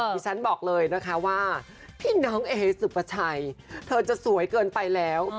ที่ฉันบอกเลยนะคะว่าพี่น้องเอสุปชัยเธอจะสวยเกินไปแล้ว